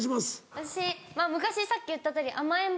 私昔さっき言ったとおり甘えん坊？